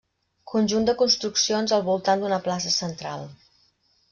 Conjunt de construccions al voltant d'una plaça central.